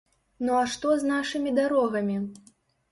Ну а што з нашымі дарогамі?